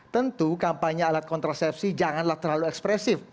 tentu kampanye alat kontrasepsi janganlah terlalu ekspresif